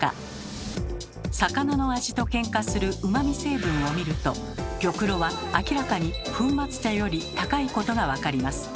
魚の味とケンカする旨味成分を見ると玉露は明らかに粉末茶より高いことが分かります。